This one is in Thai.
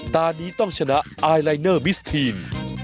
ตอนนี้ต้องชนะไอลายเนอร์มิสทีน